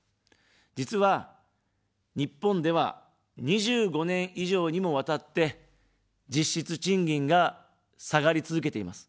実は、日本では２５年以上にもわたって、実質賃金が下がり続けています。